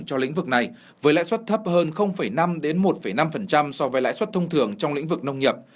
cho lĩnh vực này với lãi suất thấp hơn năm một năm so với lãi suất thông thường trong lĩnh vực nông nghiệp